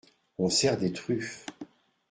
On sert des truffes…